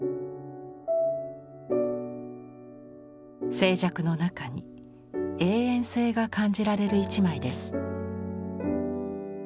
静寂の中に永遠性が感じられる一枚です。